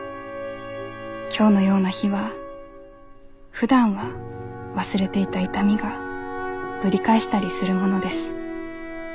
今日のような日はふだんは忘れていた痛みがぶり返したりするものです。